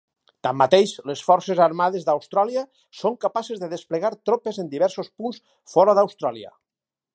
Tanmateix, les Forces Armades d'Austràlia són capaces de desplegar tropes en diversos punts fora d'Austràlia.